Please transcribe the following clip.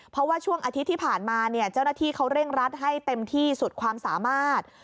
เพราะว่าช่วงอาทิตย์ที่ผ่านมาเนี่ยเจ้าหน้าที่เขาเร่งรัดให้เต็มที่สุดความสามารถ